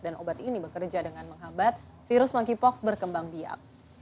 dan obat ini bekerja dengan menghabat virus makipoks berkembang biak